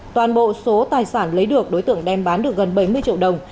toàn bộ số tài sản lấy được đối tượng đem bán được gần bảy mươi triệu đồng